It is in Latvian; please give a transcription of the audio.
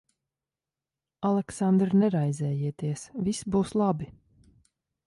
Aleksandr, neraizējieties. Viss būs labi.